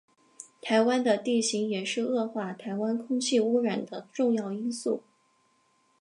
台湾的地形也是恶化台湾空气污染的重要因素。